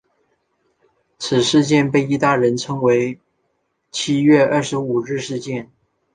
此事件被意大利人称为七月二十五日事件。